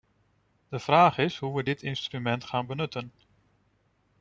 De vraag is hoe we dit instrument gaan benutten.